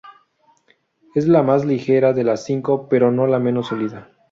Es la más ligera de las cinco, pero no la menos sólida.